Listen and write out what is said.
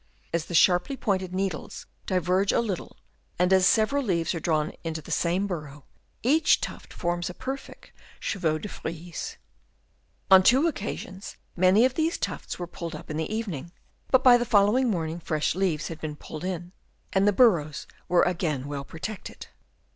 As the sharply pointed needles diverge a little, and as several leaves are drawn into the same burrow, each tuft forms a perfect chevaux de frise. On two occasions many of these tufts were pulled up in the evening, but by the following morning fresh leaves had been pulled in, and the 74 HABITS OF WORMS. Chap. II. burrows were again well protected.